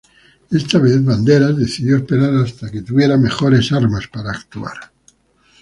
Esta vez Banderas decidió esperar hasta que tuviera mejores armas para actuar.